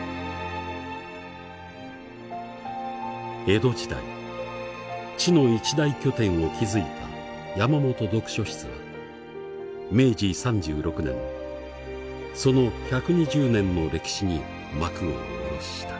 江戸時代知の一大拠点を築いた山本読書室は明治３６年その１２０年の歴史に幕を下ろした。